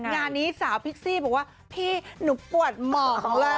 งานนี้สาวพิกซี่บอกว่าพี่หนูปวดหมอกเลย